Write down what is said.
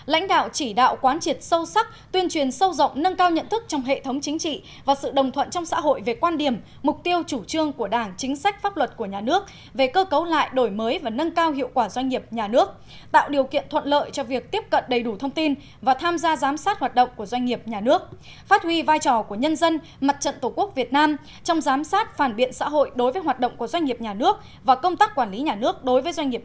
một mươi một lãnh đạo chỉ đạo quán triệt sâu sắc tuyên truyền sâu rộng nâng cao nhận thức trong hệ thống chính trị và sự đồng thuận trong xã hội về quan điểm mục tiêu chủ trương của đảng chính sách pháp luật của nhà nước về cơ cấu lại đổi mới và nâng cao hiệu quả doanh nghiệp nhà nước tạo điều kiện thuận lợi cho việc tiếp cận đầy đủ thông tin và tham gia giám sát hoạt động của doanh nghiệp nhà nước phát huy vai trò của nhân dân mặt trận tổ quốc việt nam trong giám sát phản biện xã hội đối với hoạt động của doanh nghiệp nhà nước và công tác quản lý nhà nước đối với